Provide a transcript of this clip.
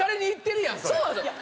そうなんですよ。